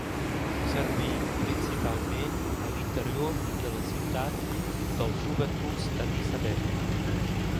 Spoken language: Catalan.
Serví principalment a l'interior de la ciutat dels Joventuts d'Addis Abeba.